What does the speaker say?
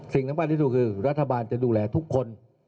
สิ่งสำคัญที่สุดคือรัฐบาลจะดูแลทุกคน